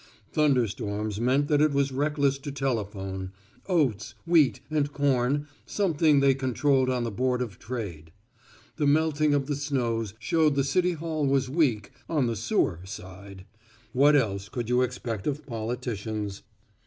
Thunderstorms meant that it was reckless to telephone; oats, wheat and corn, something they controlled on the board of trade; the melting of the snows showed the city hall was weak on the sewer side what else could you expect of politicians?